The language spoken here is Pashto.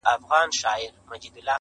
خدايه سندرو کي مي ژوند ونغاړه;